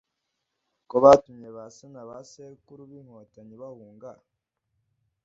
ko batumye ba se na ba sekuru b’inkotanyi bahunga